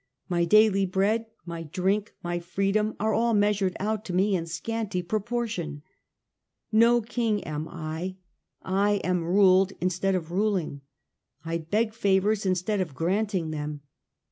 My daily bread, my drink, my freedom, are all measured out to me in scanty proportion. No king am I ; I am ruled in stead of ruling ; I beg favours instead of granting them.